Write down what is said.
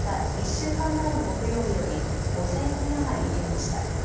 １週間前の木曜日より５０００人余り減りました。